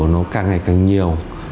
nó càng ngày càng nhiều